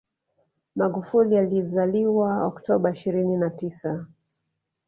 Magufuli alizaliwa Oktoba ishirini na tisa